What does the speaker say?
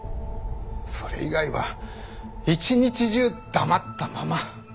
それ以外は一日中黙ったまま。